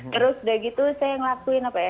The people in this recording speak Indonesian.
terus udah gitu saya ngelakuin apa ya